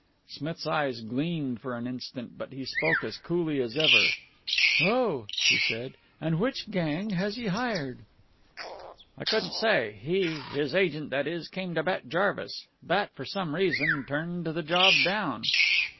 Smith's eyes gleamed for an instant, but he spoke as coolly as ever. "Oh!" he said. "And which gang has he hired?" "I couldn't say. He his agent, that is came to Bat Jarvis. Bat for some reason turned the job down."